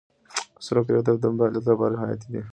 سرو کرویات د بدن د فعالیت لپاره حیاتي دي.